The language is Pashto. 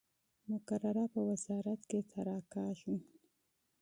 مقرره په وزارت کې طرح کیږي.